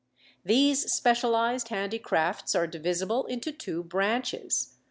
These specialised handicrafts are divisible into two branches.